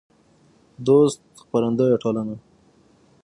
دوست خپرندویه ټولنه